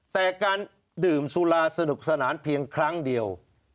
แต่การดื่มสุราสนุกสนานเพียงครั้งเดียว